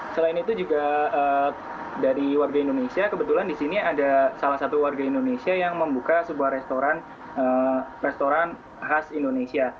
selain itu juga dari warga indonesia kebetulan di sini ada salah satu warga indonesia yang membuka sebuah restoran khas indonesia